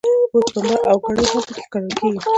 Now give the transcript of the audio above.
اوس پنبه او ګني هم په کې کرل کېږي.